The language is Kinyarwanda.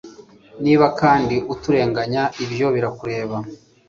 niba kandi uturenganya, ibyo birakureba